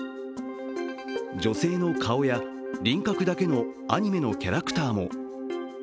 女性の顔や輪郭だけのアニメのキャラクターも。